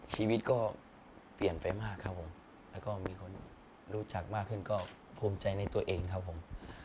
ชีวิตก็เปลี่ยนไปมากครับผมแล้วก็มีคนรู้จักมากขึ้นก็ภูมิใจในตัวเองครับผม